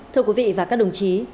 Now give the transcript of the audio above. thưa quý vị và các đồng chí